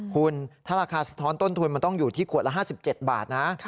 คุณถ้าราคาสะท้อนต้นทุนมันต้องอยู่ที่ขวดละ๕๗บาทนะ